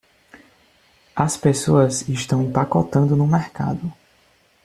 As pessoas estão empacotando no mercado.